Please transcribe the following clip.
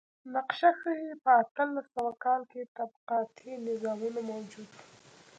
نقشه ښيي په اتلس سوه کال کې طبقاتي نظامونه موجود و.